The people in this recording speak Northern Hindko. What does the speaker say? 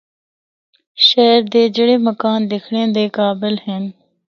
شہر دے جڑے مکان دکھنڑا دے قابل ہن۔